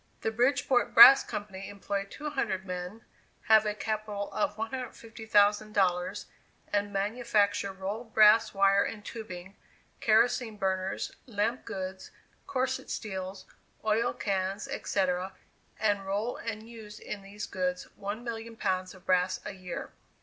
The Bridgeport Brass Company employ two hundred men, have a capital of $150,000, and manufacture rolled brass wire and tubing, kerosene burners, lamp goods, corset steels, oil cans, etc., and roll and use in these goods 1,000,000 pounds of brass a year.